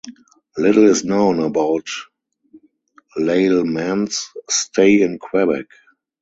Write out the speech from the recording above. Little is known about Lalemant's stay in Quebec.